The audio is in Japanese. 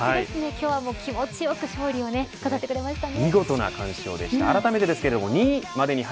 今日は気持ちよく勝利を飾ってくれましたね。